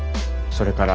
それから。